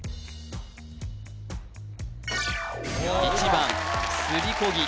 １番すりこぎ